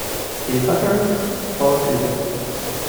He fathered four children.